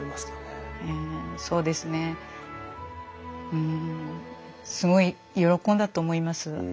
そうですねうんすごい喜んだと思います。